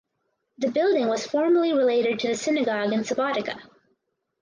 The building was formally related to the synagogue in Subotica.